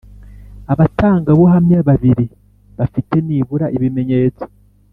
Abatangabuhamya babiri bafite nibura ibimenyetso